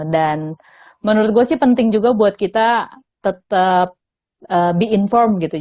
dan menurut gue sih penting juga buat kita tetap kita tetap berbicara